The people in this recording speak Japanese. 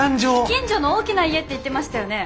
近所の大きな家って言ってましたよね。